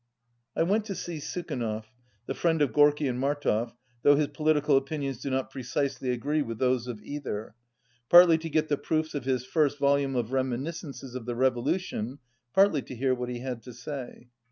I went to see Sukhanov (the friend of Gorky and Martov, though his political opinions do not precisely agree with those of either), partly to get the proofs of his first volume of reminiscences of the revolution, partly to hear what he had to say.